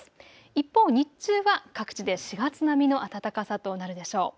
一方、日中は各地で４月並みの暖かさとなるでしょう。